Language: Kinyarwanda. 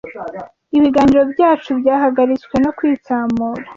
Ibiganiro byacu byahagaritswe no kwitsamura.